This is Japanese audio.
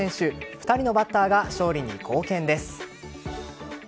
２人のバッターが勝利に貢献です。